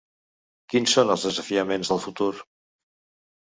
Quins són els desafiaments del futur?